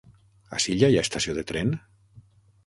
A Silla hi ha estació de tren?